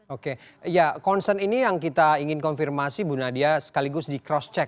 oke ya concern ini yang kita ingin konfirmasi bu nadia sekaligus di cross check